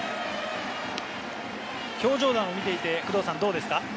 表情などを見ていてどうですか？